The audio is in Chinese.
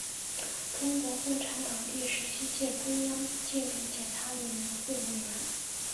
中国共产党第十七届中央纪律检查委员会委员。